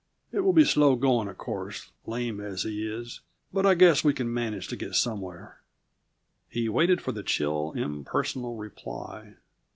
It will be slow going, of course lame as he is but I guess we can manage to get somewhere." He waited for the chill, impersonal reply.